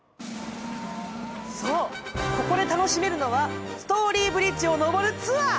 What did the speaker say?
そうここで楽しめるのはストーリーブリッジをのぼるツアー！